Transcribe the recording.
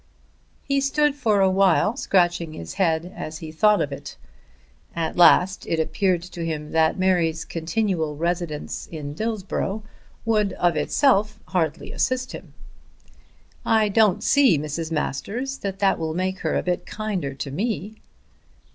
He stood for awhile scratching his head as he thought of it. At last it appeared to him that Mary's continual residence in Dillsborough would of itself hardly assist him. "I don't see, Mrs. Masters, that that will make her a bit kinder to me.'